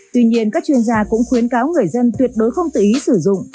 tuy nhiên các chuyên gia cũng khuyến cáo người dân tuyệt đối không tự ý sử dụng